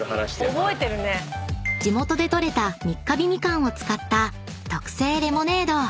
［地元で取れた三ヶ日みかんを使った特製レモネード］